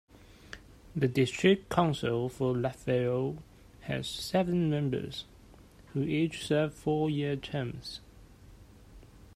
The district council for Lat Phrao has seven members, who each serve four-year terms.